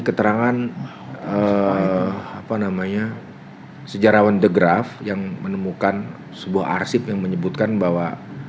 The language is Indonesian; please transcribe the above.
keterangan apa namanya sejarawan the graph yang menemukan sebuah arsip yang menyebutkan bahwa